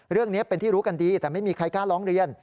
เรื่องนี้เป็นที่รู้กันดีแต่ไม่มีใครกล้าร้องเรียน